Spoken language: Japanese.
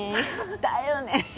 だよね。